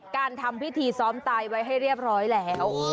การทำพิธีซ้อมตายไว้ให้เรียบร้อยแล้ว